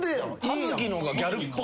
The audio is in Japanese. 葉月の方がギャルっぽい。